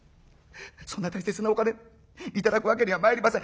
「そんな大切なお金頂くわけにはまいりません」。